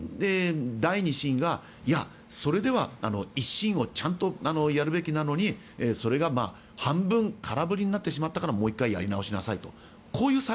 第２審がいや、それでは１審をちゃんとやるべきなのにそれが半分空振りになってしまったからもう１回やり直しなさいと。